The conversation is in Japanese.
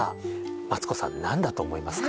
マツコさん何だと思いますか？